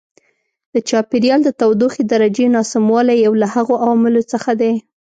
د چاپېریال د تودوخې درجې ناسموالی یو له هغو عواملو څخه دی.